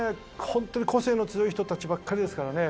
本当に個性の強い人たちばっかりですからね」